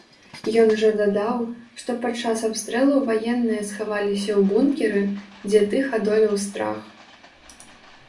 Ён жа дадаў, што падчас абстрэлу ваенныя схаваліся ў бункеры, дзе тых адолеў страх.